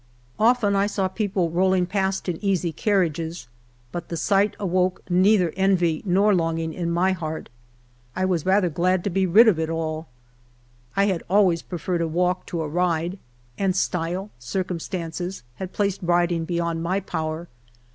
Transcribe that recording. Often I saw people rolling past in easy carriages, but the slight awoke neither envy nor longing in my heart. I was rather glad to be rid of it all. I had always preferred a walk to a ride, and style, circumstances, had placed riding beyond my power.